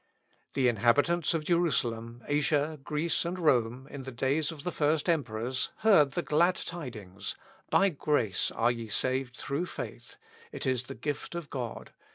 The inhabitants of Jerusalem, Asia, Greece, and Rome, in the days of the first emperors, heard the glad tidings, "By grace are ye saved through faith it is the gift of God."